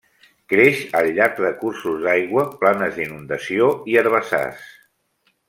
Creix al llarg de cursos d'aigua, planes d'inundació i herbassars.